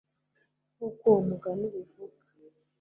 nk'uko uwo mugani ubivuga